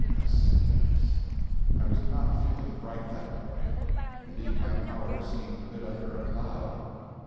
Um! Yes yes." I was not feeling bright that morning. Indeed, my powers seemed a bit under a cloud.